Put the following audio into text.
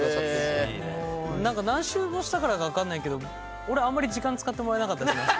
何周もしたからか分かんないけど俺あんまり時間使ってもらえなかった。